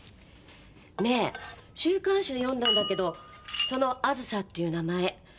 ねえ週刊誌で読んだんだけどそのあずさっていう名前